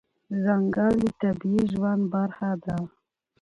ځنګل د طبیعي ژوند برخه ده.